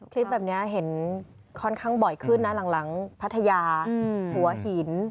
คลิปแบบนี้เห็นค่อนข้างบ่อยขึ้นนะหลังพัทยาหัวหิน